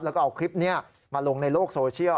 แล้วก็เอาคลิปนี้มาลงในโลกโซเชียล